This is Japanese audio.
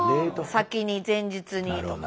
先に前日にとか。